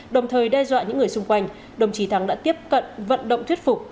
đồng thời đe dọa những người xung quanh đồng chí thắng đã tiếp cận vận động thuyết phục